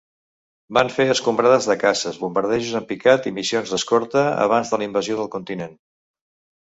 Van fer escombrades de caces, bombardejos en picat i missions d'escorta abans de la invasió del continent.